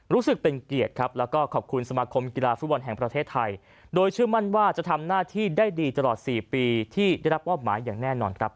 รู้สึกเป็นเกียรติครับแล้วก็ขอบคุณสมาคมกีฬาฟุตบอลแห่งประเทศไทยโดยเชื่อมั่นว่าจะทำหน้าที่ได้ดีตลอด๔ปีที่ได้รับมอบหมายอย่างแน่นอนครับ